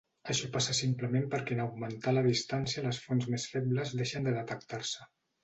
Això passa simplement perquè en augmentar la distància les fonts més febles deixen de detectar-se.